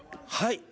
はい。